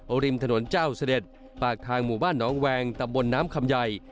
ริมถนนเจ้าเสด็จปากทางหมู่บ้านน้องแวงตำบลน้ำคำใหญ่